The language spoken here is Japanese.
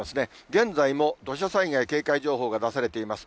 現在も土砂災害警戒情報が出されています。